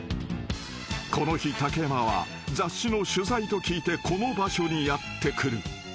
［この日竹山は雑誌の取材と聞いてこの場所にやって来る］